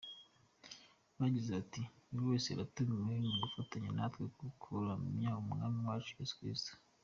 Bagize bati: "Buri wese aratumiwe mu gufatanya natwe kuramya Umwami wacu Yesu Kristo.